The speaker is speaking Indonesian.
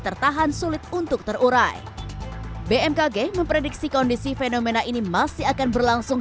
tertahan sulit untuk terurai bmkg memprediksi kondisi fenomena ini masih akan berlangsung